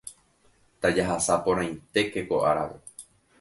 Tajahasa porãitéke ko árape.